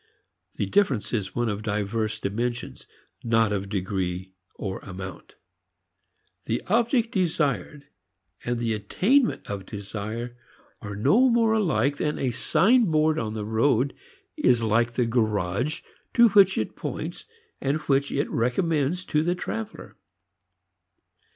The difference is one of diverse dimensions, not of degree or amount. The object desired and the attainment of desire are no more alike than a signboard on the road is like the garage to which it points and which it recommends to the traveler.